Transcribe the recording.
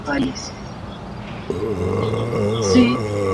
En la pelea, Stu resultó golpeado y pateado en la cabeza.